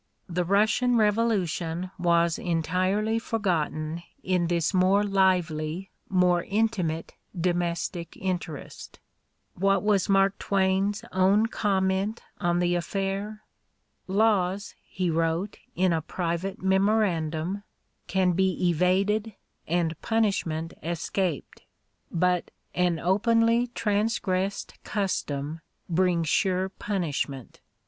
"The Rus sian revolution was entirely forgotten in this more lively, more intimate domestic interest." "What was Mark Twain's own comment on the affair? "Laws," he wrote, in a private memorandum, "can be evaded and punishment escaped, but an openly transgressed custom brings sure punishment.